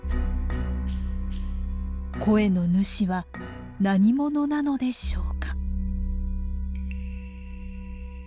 声の主は何者なのでしょうか？